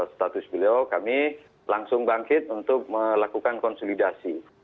status beliau kami langsung bangkit untuk melakukan konsolidasi